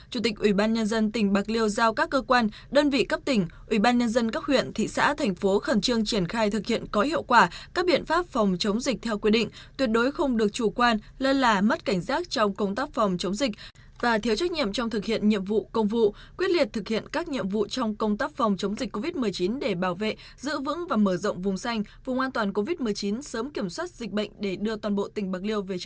chủ tịch ủy ban nhân dân tỉnh bạc liêu giao các cơ quan đơn vị cấp tỉnh ủy ban nhân dân các huyện thị xã thành phố khẩn trương triển khai thực hiện có hiệu quả các biện pháp phòng chống dịch theo quyết định tuyệt đối không được chủ quan lơ là mất cảnh giác trong công tác phòng chống dịch và thiếu trách nhiệm trong thực hiện nhiệm vụ công vụ quyết liệt thực hiện các nhiệm vụ trong công tác phòng chống dịch covid một mươi chín để bảo vệ giữ vững và mở rộng vùng xanh vùng an toàn covid một mươi chín sớm kiểm soát dịch bệnh để đưa toàn bộ tỉnh bạc li